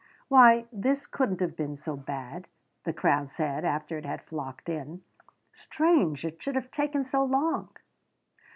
"Why this couldn't have been so bad," the crowd said, after it had flocked in "strange it should have taken so long!"